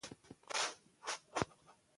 د حیرت ګوته په غاښ ورته حیران وه